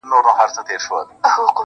ستړى په گډا سومه ،چي، ستا سومه,